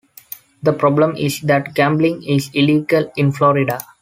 The problem is that gambling is illegal in Florida.